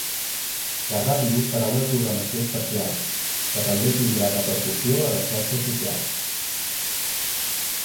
La ràdio farà una programació especial, que també tindrà repercussió a les xarxes socials.